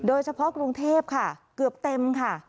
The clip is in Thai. โดยเฉพาะกรุงเทพฯค่ะเกือบเต็มค่ะ